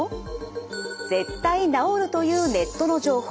絶対治るというネットの情報。